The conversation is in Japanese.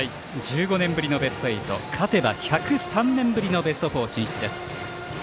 １５年ぶりのベスト８勝てば１０３年ぶりのベスト４進出。